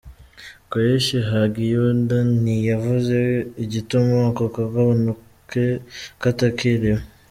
Koichi Hagiuda ntiyavuze igituma ako kaganuke katakiriwe.